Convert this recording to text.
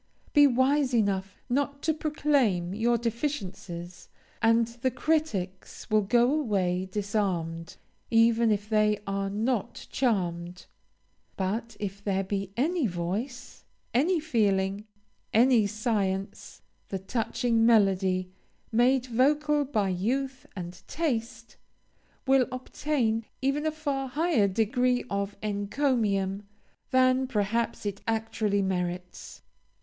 Be wise enough not to proclaim your deficiencies, and the critics will go away disarmed, even if they are not charmed. But if there be any voice, any feeling, any science, the touching melody, made vocal by youth and taste, will obtain even a far higher degree of encomium than, perhaps, it actually merits.